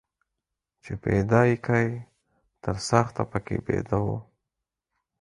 چې پيدا يې کى تر څاښته پکښي بيده وو.